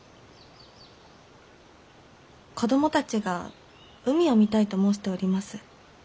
子供たちが海を見たいと申しております。